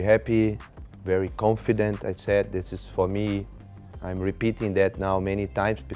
ฉันโชคดีมากและสงสัยใจในวันต่อไป